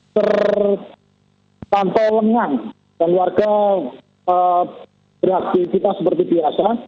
terkantor lengan dan warga beraktifitas seperti biasa